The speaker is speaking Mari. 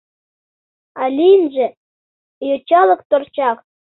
А лийынже... йочалык торчак.